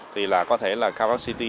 thì là có thể là capacity